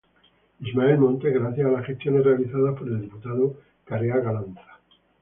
Ismael Montes, gracias a las gestiones realizadas por el diputado Careaga Lanza.